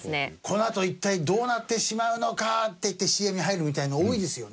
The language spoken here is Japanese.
「このあと一体どうなってしまうのか？」って言ってＣＭに入るみたいなの多いですよね。